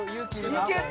いけた！